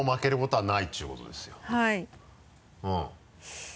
はい。